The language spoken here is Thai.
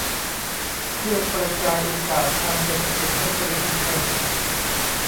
เพื่อกระจายโอกาสทางเศรษฐกิจให้คนในชุมชน